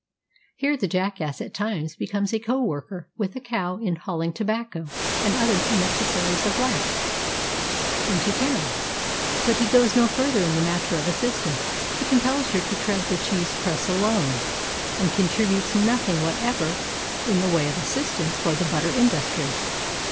Here the jackass at times becomes a co worker with the cow in hauling tobacco and other necessaries of life into town, but he goes no further in the matter of assistance. He compels her to tread the cheese press alone and contributes nothing whatever in the way of assistance for the butter industry.